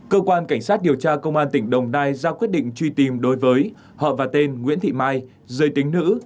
cơ quan cảnh sát điều tra công an tỉnh đồng nai ra quyết định truy tìm đối với họ và tên nguyễn thị mai giới tính nữ